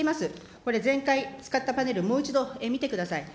これ、前回使ったパネル、もう一度見てください。